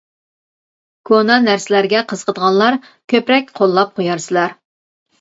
كونا نەرسىلەرگە قىزىقىدىغانلار كۆپرەك قوللاپ قويارسىلەر.